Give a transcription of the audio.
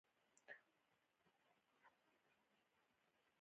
د شولو نهال وروسته کاکړ په ډډي سیند کې لامبل.